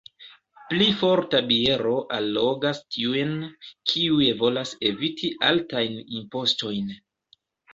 Pli forta biero allogas tiujn, kiuj volas eviti altajn impostojn.